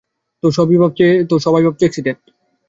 তো, সবাই ভাবছে অ্যাকসিডেন্ট।